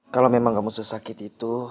kalau memang kamu sesakit itu